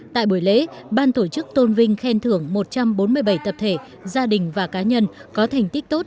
tại buổi lễ ban tổ chức tôn vinh khen thưởng một trăm bốn mươi bảy tập thể gia đình và cá nhân có thành tích tốt